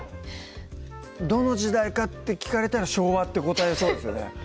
どの時代かって聞かれたら昭和って答えそうですね